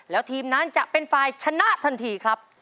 แล้วทีมนั้นจะเป็นฝ่ายชนะทันทีครับ